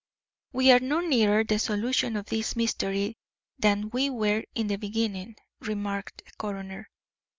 "We are no nearer the solution of this mystery than we were in the beginning," remarked the coroner.